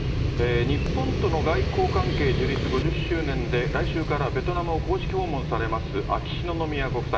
日本との外交関係樹立５０周年で、来週からベトナムを公式訪問されます秋篠宮ご夫妻。